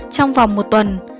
trong vòng một tuần